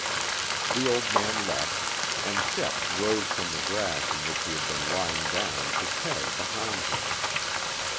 The old man left, and Shep rose from the grass in which he had been lying down to tag behind him.